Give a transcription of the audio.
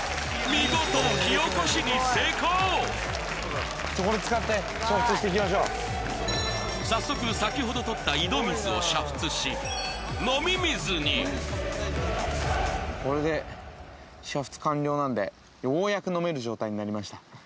見事火おこしに成功していきましょう早速先ほど取った井戸水を煮沸し飲み水にこれで煮沸完了なんでようやく飲める状態になりました